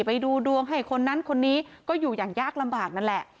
ไปดูดวงให้คนนั้นคนนี้ก็อยู่อย่างยากลำบากนั่นแหละ